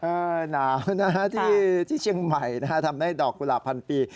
หนาวนะฮะที่เชียงใหม่นะฮะทำให้ดอกกุหลาบพันปี